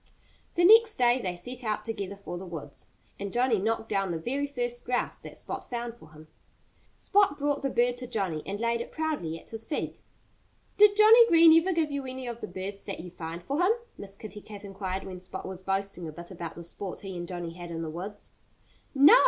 The next day they set out together for the woods. And Johnnie knocked down the very first grouse that Spot found for him. Spot brought the bird to Johnnie and laid it proudly at his feet. "Did Johnnie Green ever give you any of the birds that you find for him?" Miss Kitty Cat inquired when Spot was boasting a bit about the sport he and Johnnie had in the woods. "No!"